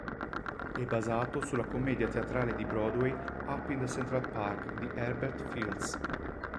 È basato sulla commedia teatrale di Broadway "Up in Central Park" di Herbert Fields.